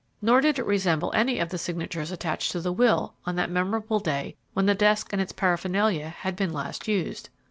Nor did it resemble any of the signatures attached to the will on that memorable day when the desk with its paraphernalia had been last used.